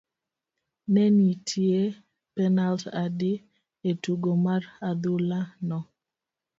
Ne nitie penalt adi e tugo mar adhula no?